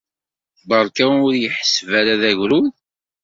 Beṛka ur iyi-ḥesseb ara d agerrud.